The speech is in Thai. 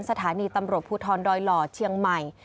สถานีตำรวจภูทรดอยหล่อเชียงใหม่